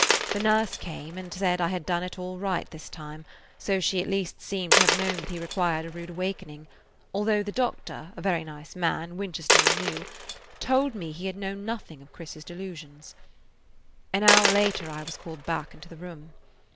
The nurse came, and said I had done it all right this time, so she at least seemed to have known that he required a rude awakening, although the doctor, a very nice man, Winchester and New, told me he had known nothing of Chris's delusions. An hour later I was called back into the room.